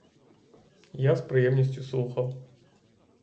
Я з приємністю слухав.